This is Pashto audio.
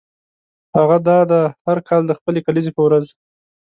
هغه دا ده هر کال د خپلې کلیزې په ورځ.